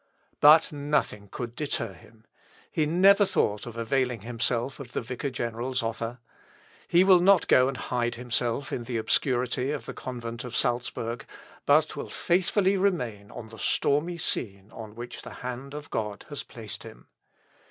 But nothing could deter him. He never thought of availing himself of the vicar general's offer. He will not go and hide himself in the obscurity of the convent of Salzburg, but will faithfully remain on the stormy scene on which the hand of God has placed him.